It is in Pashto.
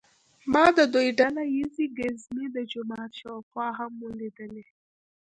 ما د دوی ډله ییزې ګزمې د جومات شاوخوا هم ولیدلې.